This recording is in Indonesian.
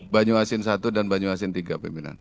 banyuasin i dan banyuasin iii pemimpinan